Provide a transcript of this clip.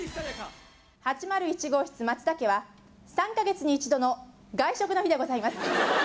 ８０１号室、松田家は３か月に１度の外食の日でございます。